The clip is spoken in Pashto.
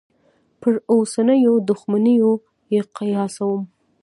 پر اوسنیو دوښمنیو یې قیاسوم.